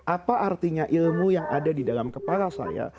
apa artinya ilmu yang ada di dalam kepala saya